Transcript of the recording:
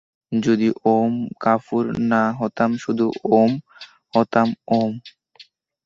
যদি ওম কাপুর না হতাম, শুধু ওম হতাম ওম।